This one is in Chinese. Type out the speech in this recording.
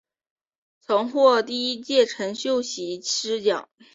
曾获第一届陈秀喜诗奖。